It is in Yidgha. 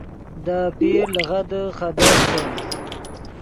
دے آپیر لغدے خدیڤتے